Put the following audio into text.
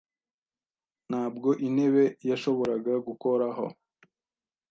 ntabwo intebe yashoboraga gukoraho